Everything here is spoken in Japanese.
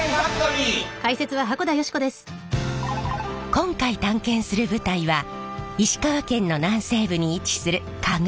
今回探検する舞台は石川県の南西部に位置する加賀市。